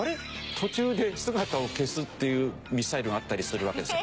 途中で姿を消すっていうミサイルがあったりするわけですよ。